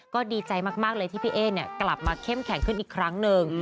ก็ดีใจมากเลยที่พี่เอ๊กลับมาเข้มแข็งขึ้นอีกครั้งหนึ่ง